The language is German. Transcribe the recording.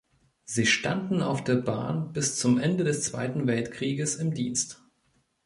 Sie standen auf der Bahn bis zum Ende des Zweiten Weltkrieges im Dienst.